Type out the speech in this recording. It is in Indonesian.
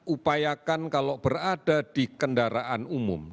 upayakan kalau berada di kendaraan umum